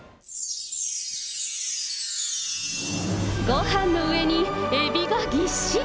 ごはんの上にエビがぎっしり。